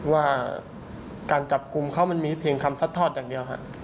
ว่าการจับกลุ่มเขามันมีเพียงคำซัดทอดอย่างเดียวครับ